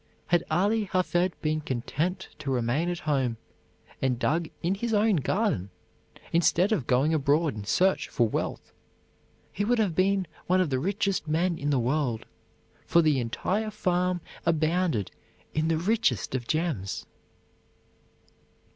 Had Ali Hafed been content to remain at home, and dug in his own garden, instead of going abroad in search for wealth, he would have been one of the richest men in the world, for the entire farm abounded in the richest of gems.